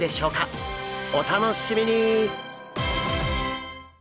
お楽しみに！